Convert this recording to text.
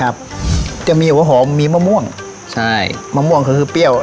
ครับจะมีหัวหอมมีมะม่วงใช่มะม่วงคือเปรี้ยว